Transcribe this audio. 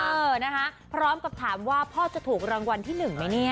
เออนะคะพร้อมกับถามว่าพ่อจะถูกรางวัลที่หนึ่งไหมเนี่ย